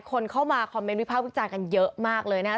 คนเข้ามาคอมเมนต์วิภาควิจารณ์กันเยอะมากเลยนะครับ